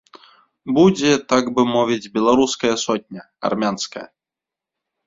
Будзе, так бы мовіць, беларуская сотня, армянская.